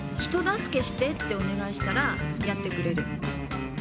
「人助けして」ってお願いしたらやってくれる。